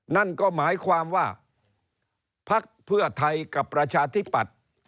นั่นก็หมายความว่าพักเพื่อไทยกับประชาธิปัตย์